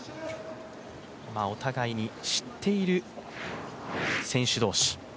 お互いに、知っている選手同士。